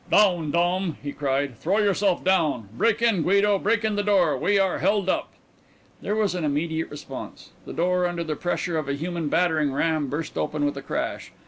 "Down, Dom!" he cried, "throw yourself down! Break in, Guido. Break in the door. We are held up!" There was an immediate response. The door, under the pressure of a human battering ram, burst open with a crash.